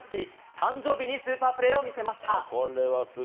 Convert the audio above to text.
誕生日にスーパープレーを見せました。